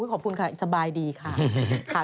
ขอบคุณค่ะสบายดีค่ะ